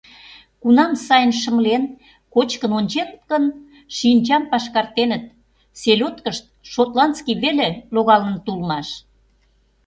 Кунам сайын шымлен, кочкын онченыт гын, шинчам пашкартеныт: селёдкышт шотландский веле логалыныт улмаш.